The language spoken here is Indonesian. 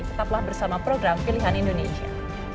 tetaplah bersama program pilihan indonesia